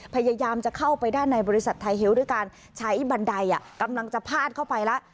พยายามจะเข้าไปด้านในบริษัทไทยเฮลด้วยการใช้บันไดกำลังจะพาดเข้าไปแล้ว